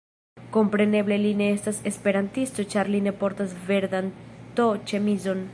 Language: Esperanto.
Kompreneble li ne estas esperantisto ĉar li ne portas verdan t-ĉemizon.